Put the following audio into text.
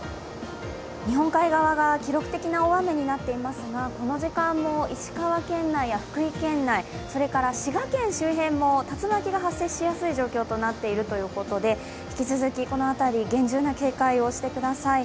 日本海側が記録的な大雨になっていますがこの時間も石川県内や福井県内、それから滋賀県周辺も竜巻が発生しやすい状況になっているということで引き続き、この辺り、厳重な警戒をしてください。